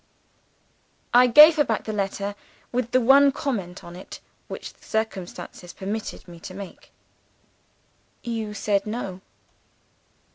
"I gave her back the letter with the one comment on it, which the circumstances permitted me to make: "'You said No?